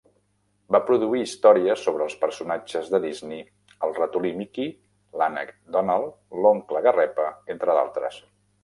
Va produir històries sobre els personatges de Disney el Ratolí Mickey, l'Ànec Donald, l'Oncle Garrepa, entre d'altres.